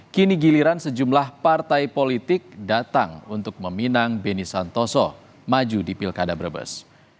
kini giliran sejumlah partai politik datang untuk meminang beni santoso maju di pilkada brebes